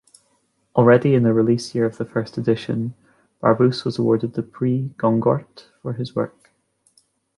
Already in the release year of the first edition, Barbusse was awarded with the Prix Goncourt for his work.